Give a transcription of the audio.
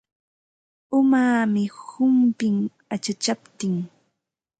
Umaami humpin achachaptin.